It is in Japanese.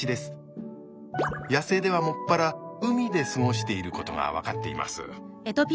野生では専ら海で過ごしていることが分かっています。